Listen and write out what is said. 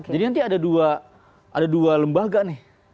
jadi nanti ada dua lembaga nih